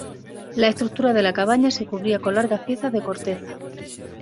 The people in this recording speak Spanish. La estructura de la cabaña se cubría con largas piezas de corteza.